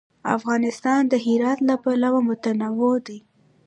افغانستان د هرات له پلوه متنوع دی.